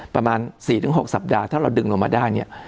ประมาณ๔๖สัปดาห์ถ้าเราดึงลงมาได้เนี่ย